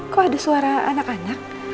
kok ada suara anak anak